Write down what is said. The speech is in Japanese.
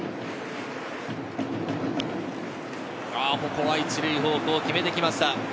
ここは１塁方向決めてきました。